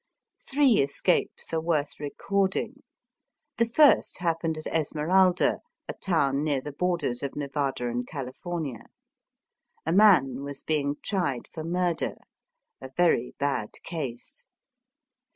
Three escapes are worth recording. The first happened at Esmeralda, a town near the borders of Nevada and California. A man was being tried for murder — a very bad case.